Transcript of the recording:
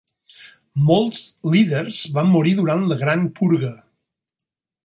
Molts líders van morir durant la Gran Purga.